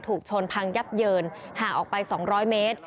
ถูกชนพังยับเยินห่างออกไป๒๐๐เมตร